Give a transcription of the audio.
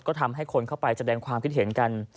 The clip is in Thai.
ก็ทำให้คนเข้าไปแสดงความคิดเห็นกัน